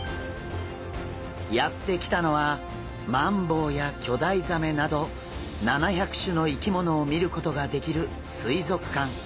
やって来たのはマンボウや巨大ザメなど７００種の生き物を見ることができる水族館。